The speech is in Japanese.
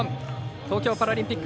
東京パラリンピック